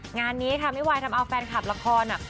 งานนี้ค่ะมิวายทำเอาแฟนคลับละครอ่ะ